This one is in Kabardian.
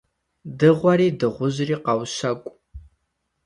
Дыгъуэри дыгъужьри къаущэкӀу.